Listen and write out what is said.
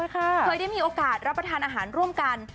เคยได้มีโอกาสรับประทานอาหารร่วมกัน